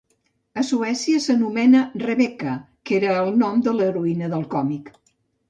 A Suècia s'anomena "Rebecca", que era el nom de l'heroïna del còmic.